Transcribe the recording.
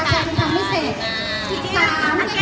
ฉันทำไม่เสร็จ